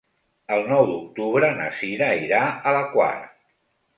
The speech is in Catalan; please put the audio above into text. El nou d'octubre na Sira irà a la Quar.